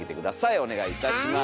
お願いいたします。